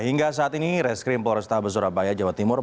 hingga saat ini reskrim polrestabes surabaya jawa timur